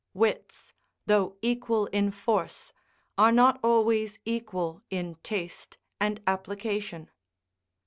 Wits, though equal in force, are not always equal in taste and application.